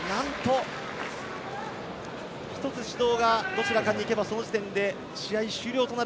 １つ指導がどちらかに行けばその時点で試合終了。